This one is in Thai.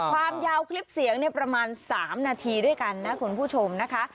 ความยาวคลิปเสียงประมาณ๓นาทีด้วยกันนะคุณผู้ชมนะคะ